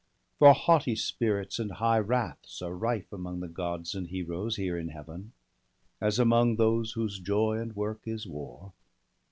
For haughty spirits and high wraths are rife Among the Gods and Heroes here in Heaven, As among those whose joy and work is war